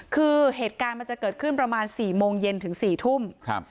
คือเหตุการณ์มันจะเกิดขึ้นประมาณสี่โมงเย็นถึง๔ทุ่มครับ